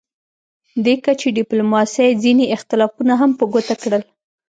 دې کچې ډیپلوماسي ځینې اختلافونه هم په ګوته کړل